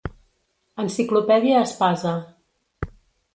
Enciclopèdia Espasa.